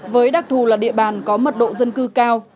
với đặc thù là địa bàn có mật độ dân cư cao